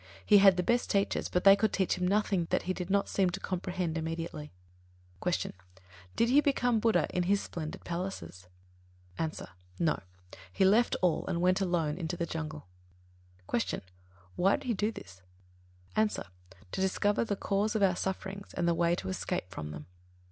He had the best teachers, but they could teach him nothing that he did not seem to comprehend immediately. 26. Q. Did he become Buddha in his splendid palaces? A. No. He left all and went alone into the jungle. 27. Q. Why did he do this? A. To discover the cause of our sufferings and the way to escape from them.